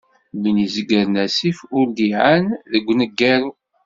Win izegren asif, ur d-iɛan deg uneggaru.